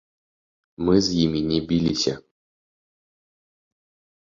Мы з імі не біліся.